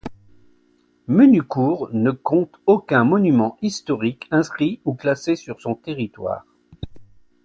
Menucourt ne compte aucun monument historique inscrit ou classé sur son territoire.